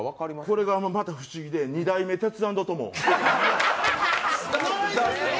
これがまた不思議で２代目テツａｎｄトモ。